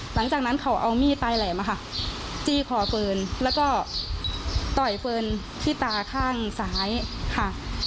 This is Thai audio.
หลังจากนั้นเขาเอามีดปลายแหลมค่ะจี้คอเฟิร์นแล้วก็ต่อยเฟิร์นที่ตาข้างซ้ายค่ะ